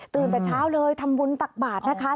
แต่เช้าเลยทำบุญตักบาทนะคะ